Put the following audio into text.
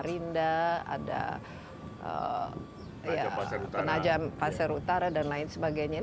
penajam pasar utara dan lain sebagainya